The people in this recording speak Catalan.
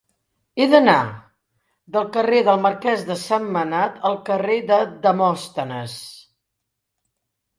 He d'anar del carrer del Marquès de Sentmenat al carrer de Demòstenes.